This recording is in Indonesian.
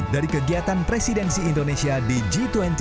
dari kegiatan presidensi indonesia di g dua puluh dua ribu dua puluh dua